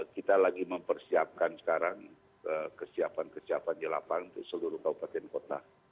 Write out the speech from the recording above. kita lagi mempersiapkan sekarang kesiapan kesiapan jelapan di seluruh kabupaten kota